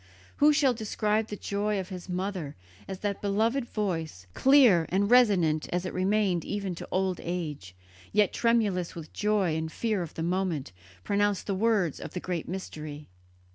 Who shall describe the joy of his mother as that beloved voice, clear and resonant as it remained even to old age, yet tremulous with the joy and fear of the moment, pronounced the words of the great Mystery?